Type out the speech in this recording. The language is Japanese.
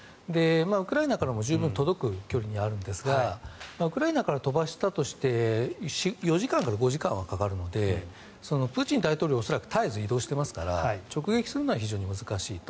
ウクライナからも十分、届く距離にあるんですがウクライナから飛ばしたとして４時間から５時間はかかるのでプーチン大統領は恐らく絶えず移動していますから直撃するのは非常に難しいと。